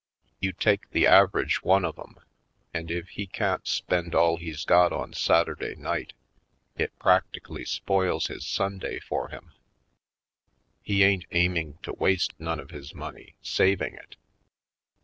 You take the average one of 'em, and if he can't spend all he's got on Satur day night, it practically spoils his Sunday for him. He ain't aiming to waste none of his money, saving it.